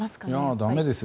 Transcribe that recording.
だめですよ